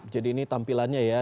jadi ini tampilannya ya